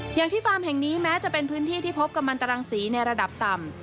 อย่างที่ฟาร์มแห่งนี้แม้จะเป็นพื้นที่ที่พบกำลังตรังสีในระดับต่ำ